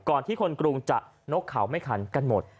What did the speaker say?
ที่คนกรุงจะนกเขาไม่คันกันหมด